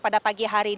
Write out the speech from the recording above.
pada pagi hari ini